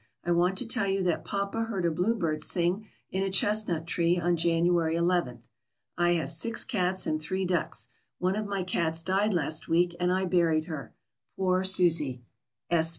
I want to tell you that papa heard a bluebird sing in a chestnut tree on January 11. I have six cats and three ducks. One of my cats died last week, and I buried her. Poor Susie!